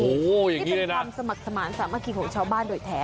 โอ้โหอย่างงี้ด้วยนะเป็นความสมัครสมาธิสามัคคีของชาวบ้านโดยแท้